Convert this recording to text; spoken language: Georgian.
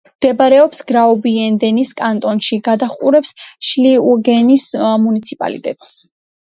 მდებარეობს გრაუბიუნდენის კანტონში; გადაჰყურებს შპლიუგენის მუნიციპალიტეტს.